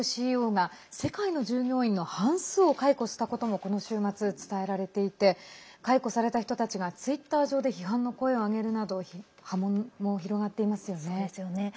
ＣＥＯが世界の従業員の半数を解雇したこともこの週末、伝えられていて解雇された人たちがツイッター上で批判の声を上げるなど波紋も広がっていますよね。